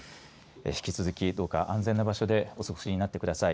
引き続きどうか安全な場所でお過ごしになってください。